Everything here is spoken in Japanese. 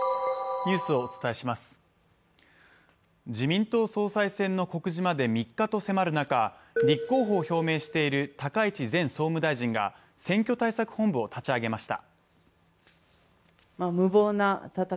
自民党総裁選の告示まで３日と迫る中立候補を表明している高市前総務大臣が選挙対策本部を立ち上げました。